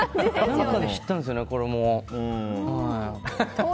何かで知ったんですよね、これ。